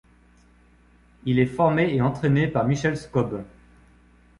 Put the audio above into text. Il est formé et entraîné par Michel Scob.